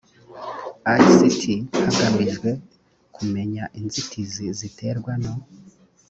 ict hagamijwe kumenya inzitizi ziterwa no